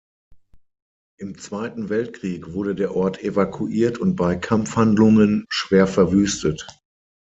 Im Zweiten Weltkrieg wurde der Ort evakuiert und bei Kampfhandlungen schwer verwüstet.